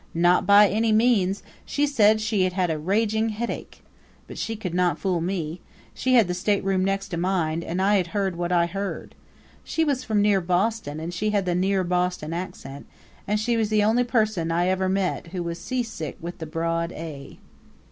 Not by any means! She said she had had a raging headache. But she could not fool me. She had the stateroom next to mine and I had heard what I had heard. She was from near Boston and she had the near Boston accent; and she was the only person I ever met who was seasick with the broad A.